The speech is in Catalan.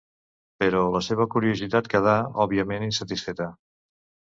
Però la seva curiositat queda, òbviament, insatisfeta.